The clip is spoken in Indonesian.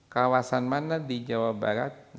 kawasan mana di jawa barat